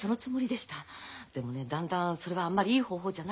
でもねだんだんそれはあんまりいい方法じゃないと思ってきたのよ。